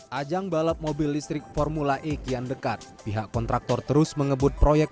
hai ajang balap mobil listrik formula e kian dekat pihak kontraktor terus mengebut proyek